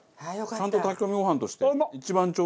ちゃんと炊き込みご飯として。